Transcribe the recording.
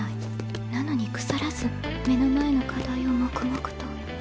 なのに腐らず目の前の課題を黙々と。